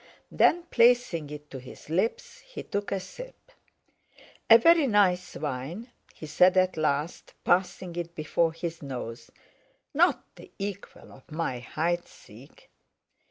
Then, placing it to his lips, he took a sip. "A very nice wine," he said at last, passing it before his nose; "not the equal of my Heidsieck!"